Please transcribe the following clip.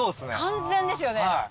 完全ですよね。